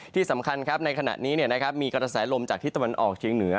ที่สำคัญครับในขณะนี้มีกระแสลมจากที่ตะวันออกเชียงเหนือ